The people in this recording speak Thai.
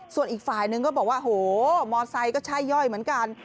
ส่วนอีกฝ่ายนึงก็บอกว่าโหมอไซค์ก็ใช่ย่อยเหมือนกัน